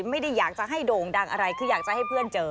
ไม่ได้อยากจะให้โด่งดังอะไรคืออยากจะให้เพื่อนเจอ